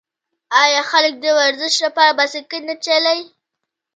آیا خلک د ورزش لپاره بایسکل نه چلوي؟